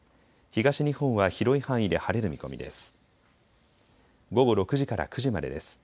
東日本は広い範囲で晴れる見込みです。